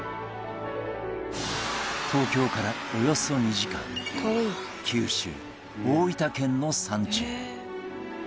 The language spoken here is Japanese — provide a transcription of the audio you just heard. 東京からおよそ２時間九州大分県の山中